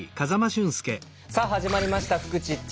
さあ始まりました「フクチッチ」。